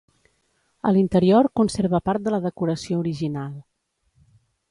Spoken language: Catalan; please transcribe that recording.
A l'interior, conserva part de la decoració original.